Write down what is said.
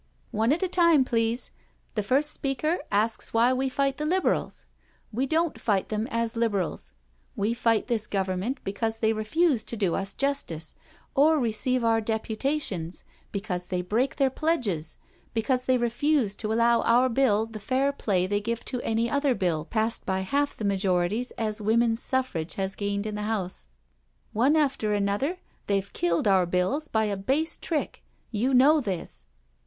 " One at a time, please. The first speaker asks why we fight the Liberals. We don't fight them as Liberals — we fight this Government because they refuse to do us justice, or receive our deputations, because they break their pledges, because they refuse to allow our Bill the fair play they give to any other Bill passed by half the majorities as Women's Suffrage has gained in the House. One after another they've killed our Bills by a base trick— you know this."